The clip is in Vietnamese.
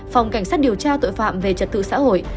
phòng cảnh sát điều tra tội phạm về trật tự xã hội